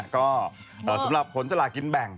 ก็สำหรับผลสลากินแบ่ง